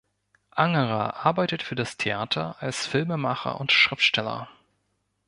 Angerer arbeitet für das Theater, als Filmemacher und Schriftsteller.